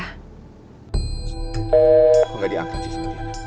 kalau gak diangkat sih sama dia